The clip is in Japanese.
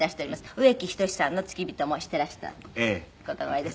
植木等さんの付き人もしていらした事がおありです。